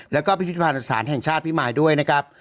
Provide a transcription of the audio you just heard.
แล้วก็พิทธิพลาดสารแห่งชาติพิไมด้วยนะครับ